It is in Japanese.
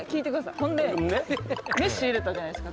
ほんでメッシュ入れたじゃないですか